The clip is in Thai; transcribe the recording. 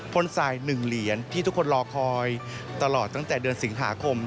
นทราย๑เหรียญที่ทุกคนรอคอยตลอดตั้งแต่เดือนสิงหาคม